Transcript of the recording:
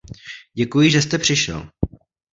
Děkuji, že jste přišel.